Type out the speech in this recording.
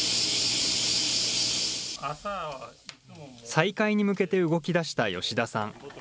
再開に向けて動きだした吉田さん。